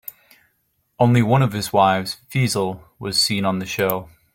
Only one of his wives, Feezal, was seen on the show.